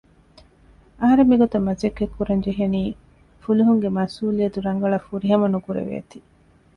އަހަރެން މިގޮތަށް މަސައްކަތް ކުރަން ޖެހެނީ ފުލުހުންގެ މަސްއޫލިއްޔަތު ރަނގަޅަށް ފުރިހަމަ ނުކުރެވޭތީ